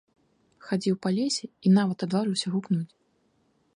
Хадзіў па лесе і нават адважыўся гукнуць.